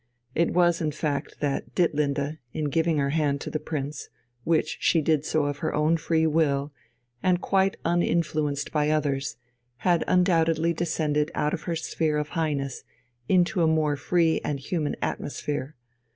It was a fact that Ditlinde, in giving her hand to the Prince which she did of her own free will, and quite uninfluenced by others had undoubtedly descended out of her sphere of Highness into a more free and human atmosphere.